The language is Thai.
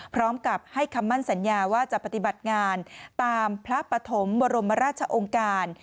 พร้อมกับให้คำมั่นสัญญาว่าจะปฏิบัติงานตามพระปฐมบรมราชองค์การ